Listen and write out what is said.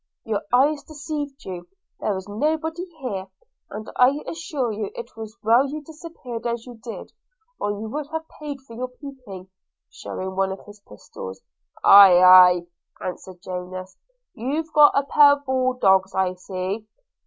– your eyes deceived you, there was nobody here: and I assure you it was well you disappeared as you did, or you would have paid for your peeping,' shewing one of his pistols. 'Aye, aye,' answered Jonas, 'you've got a pair of bull dogs, I see!